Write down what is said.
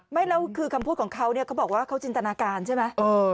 ไม่แล้วคือคำพูดของเขาเนี่ยเขาบอกว่าเขาจินตนาการใช่ไหม